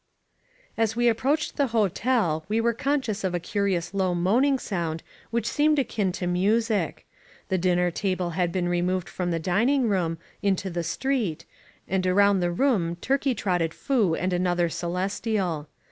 As we approached the hotel we were conscious of a curious low moaning sound which seemed akin to mu sic. The dinner table had been removed from the din ing room into the street, and around the room turkey trotted Foo and another Celestial.